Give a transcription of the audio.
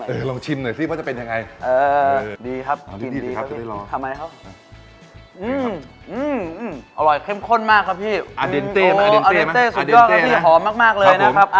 เดี๋ยวเราชิมหน่อยซิว่าจะเป็นยังไงเออดีครับอร่อยเข้มข้นมากครับพี่ออเดนเต้สุดยอดแล้วพี่หอมมากเลยนะครับ